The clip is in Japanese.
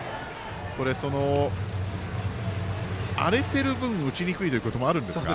荒れてる分、打ちにくいということもあるんでしょうか。